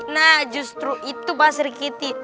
nah justru itu pak sikiti